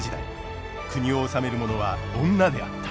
国を治める者は女であった。